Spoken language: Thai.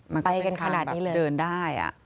มันก็เป็นทางแบบเดินได้